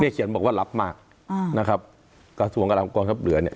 เขียนบอกว่ารับมากอ่านะครับกระทรวงกำลังกองทัพเรือเนี่ย